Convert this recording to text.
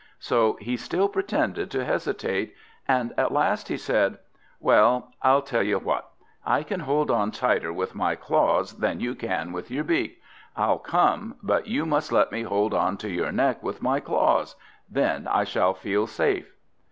So he still pretended to hesitate, and at last he said: "Well, I'll tell you what. I can hold on tighter with my claws than you can with your beak. I'll come, but you must let me hold on to your neck with my claws. Then I shall feel safe."